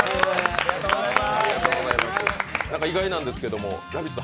意外なんですけど、「ラヴィット！」